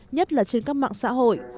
nhất là trên các mạng xã hội